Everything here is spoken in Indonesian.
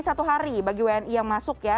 satu hari bagi wni yang masuk ya